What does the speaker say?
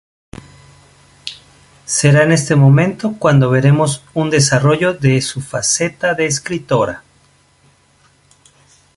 Será en este momento cuando veremos un desarrollo de su faceta de escritora.